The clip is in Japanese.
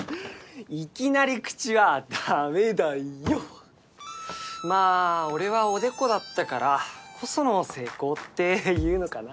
いきなり口はダメだよまあ俺はおでこだったからこその成功っていうのかな？